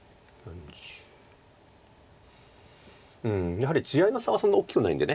やはり地合いの差はそんな大きくないんで。